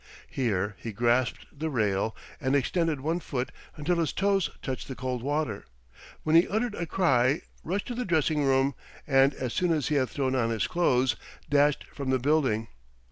Here he grasped the rail and extended one foot until his toes touched the cold water, when he uttered a cry, rushed to the dressing room, and, as soon as he had thrown on his clothes, dashed from the building.